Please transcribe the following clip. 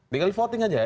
tinggal voting saja ya